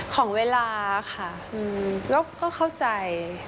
ของเวลาค่ะก็เข้าใจ